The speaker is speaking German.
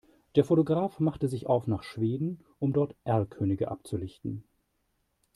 Der Fotograf machte sich auf nach Schweden, um dort Erlkönige abzulichten.